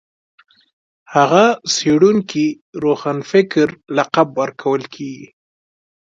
هغه څېړونکي روښانفکر لقب ورکول کېږي